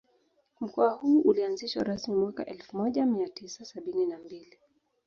Mkoa huu ulianzishwa rasmi mwaka elfu moja mia tisa sabini na mbili